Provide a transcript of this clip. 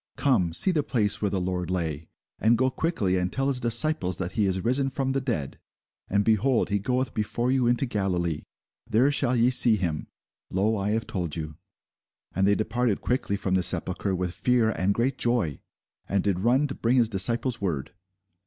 Come, see the place where the Lord lay. And go quickly, and tell his disciples that he is risen from the dead; and, behold, he goeth before you into Galilee; there shall ye see him: lo, I have told you. And they departed quickly from the sepulchre with fear and great joy; and did run to bring his disciples word.